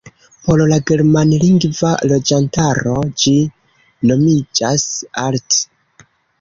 Por la germanlingva loĝantaro ĝi nomiĝas "Alt".